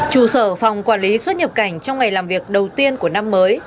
chủ sở phòng quản lý xuất nhập cảnh trong ngày làm việc đầu tiên của năm mới